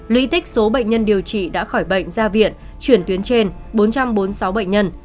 lũy tích số bệnh nhân điều trị đã khỏi bệnh ra viện chuyển tuyến trên bốn trăm bốn mươi sáu bệnh nhân